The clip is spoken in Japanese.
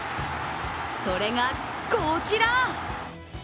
それがこちら。